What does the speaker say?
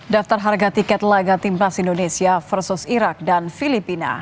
daftar harga tiket laga timnas indonesia versus irak dan filipina